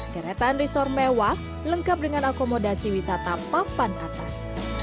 keretan resort mewah lengkap dengan akomodasi wisata papan atas